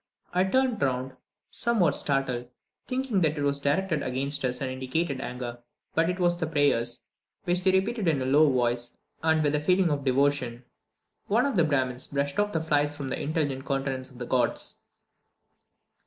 I turned round, somewhat startled, thinking that it was directed against us and indicated anger, but it was the prayers, which they repeated in a low voice and with a feeling of devotion. One of the Brahmins brushed off the flies from the intelligent countenances of the gods.